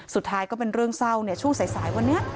สุดท้ายก็เป็นเรื่องเศร้าเนี่ยช่วงสายวันนี้